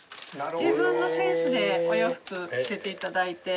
自分のセンスでお洋服着せていただいて。